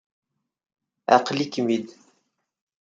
Aql-ikem-id.